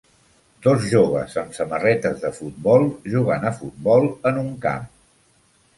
Dos joves amb samarretes de futbol, jugant a futbol en un camp.